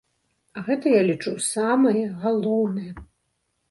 А гэта, я лічу, самае галоўнае.